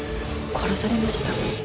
殺されました。